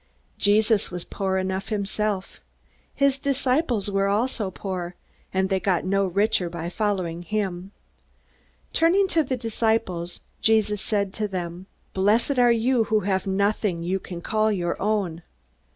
Jesus was poor enough himself. His disciples were also poor, and they got no richer by following him. Turning to the disciples, Jesus said to them, "Blessed are you who have nothing you can call your own."